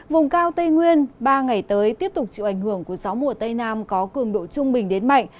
vùng cao tây nguyên ba ngày tới tiếp tục chịu ảnh hưởng của gió mùa tây nam có cường độ trung bình đến mạnh